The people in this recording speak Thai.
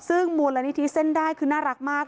ซึ่งมูลนิธิเส้นได้คือน่ารักมาก